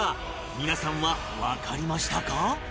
皆さんはわかりましたか？